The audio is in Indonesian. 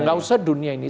gak usah dunia ini